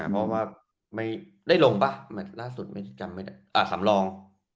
เพราะว่าได้ลงปะแมทล่าสุดไม่จำไม่ได้อ่ะ๓รอง